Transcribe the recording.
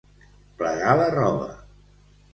Plegar la roba.